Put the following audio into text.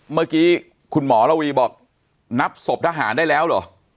เมื่อกี้คุณหมอระวีบอกนับศพทหารได้แล้วเหรอ